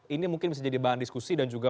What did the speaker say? ini mungkin bisa jadi bahan diskusi dan juga